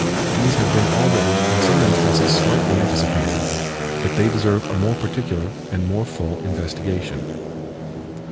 These have been already in some instances slightly anticipated; but they deserve a more particular and more full investigation.